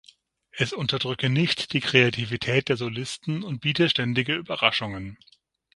Es unterdrücke nicht die Kreativität der Solisten und biete ständige Überraschungen.